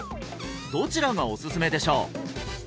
どちらがおすすめでしょう？